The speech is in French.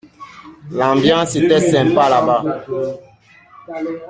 L’ambiance était sympa là-bas.